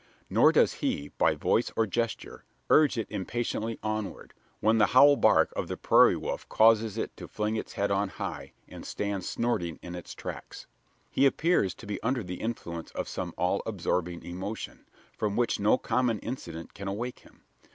Nor does he, by voice or gesture, urge it impatiently onward, when the howl bark of the prairie wolf causes it to fling its head on high, and stand snorting in its tracks. He appears to be under the influence of some all absorbing emotion, from which no common incident can awake him.